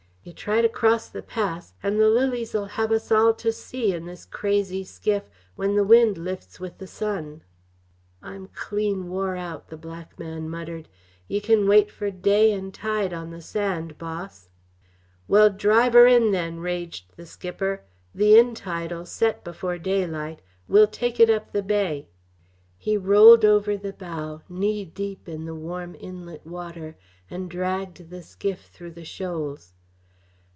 Yeh try to cross the pass, and the lilies 'll have us all to sea in this crazy skiff when the wind lifts wi' the sun." "I'm clean wore out," the black man muttered. "Yeh can wait fer day and tide on the sand, boss." "Well, drive her in, then!" raged the skipper. "The in tide'll set before daylight. We'll take it up the bay." He rolled over the bow, knee deep in the warm inlet water, and dragged the skiff through the shoals.